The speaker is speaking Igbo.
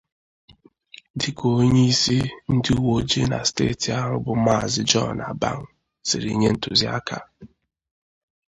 dịka onyeisi ndị uweojii na steeti ahụ bụ Maazị John Abang siri nye ntụziaka.